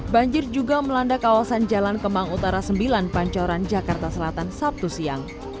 banjir juga melanda kawasan jalan kemang utara sembilan pancoran jakarta selatan sabtu siang